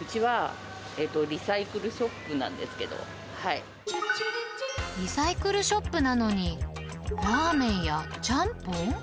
うちはリサイクルショップなんでリサイクルショップなのに、ラーメンやちゃんぽん？